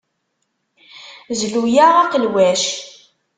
Zlu-aɣ aqelwac.